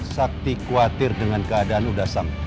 sakti khawatir dengan keadaan udasam